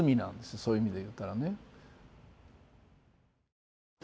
そういう意味でいったらね。